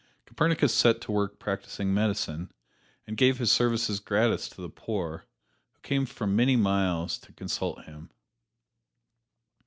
Copernicus set to work practising medicine, and gave his services gratis to the poor, who came for many miles to consult him.